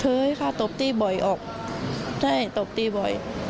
เธอให้ข้าตบตี้บ่อยออกใช่ตบตี้บ่อย